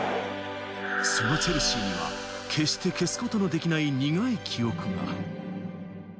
そのチェルシーには決して消すことのできない苦い記憶が。